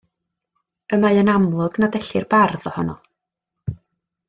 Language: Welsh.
Y mae yn amlwg nad ellir bardd ohono.